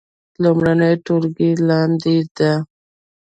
لومړۍ ټولګی لاندې ده